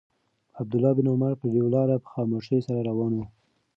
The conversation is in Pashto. عبدالله بن عمر پر یوه لاره په خاموشۍ سره روان و.